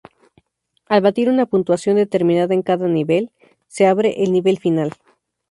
Al batir una puntuación determinada en cada nivel, se abre el nivel final.